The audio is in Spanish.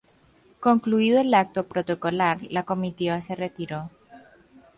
Concluido el acto protocolar la comitiva se retiró.